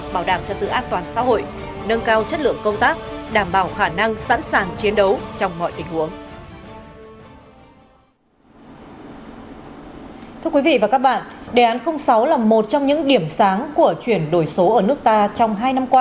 bảo đảm cho tự an toàn xã hội nâng cao chất lượng công tác đảm bảo khả năng sẵn sàng chiến đấu trong mọi tình huống